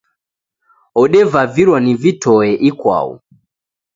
Odevavirwa ni vitoe ikwau.